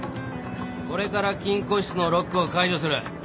これから金庫室のロックを解除する。